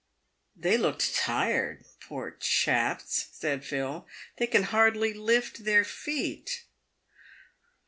" They looked tired, poor chaps," said Phil. " They can hardly lift their feet."